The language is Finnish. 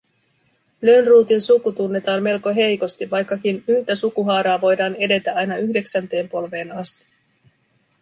Lönnrotin suku tunnetaan melko heikosti, vaikkakin yhtä sukuhaaraa voidaan edetä aina yhdeksänteen polveen asti